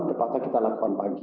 tepatnya kita lakukan pagi